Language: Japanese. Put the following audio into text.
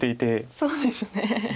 そうですね。